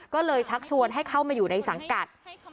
ก็เลยชักชวนให้เข้ามาอยู่ในสังกัด